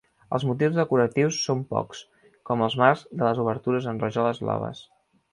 Els motius decoratius són pocs, com els marcs de les obertures en rajoles blaves.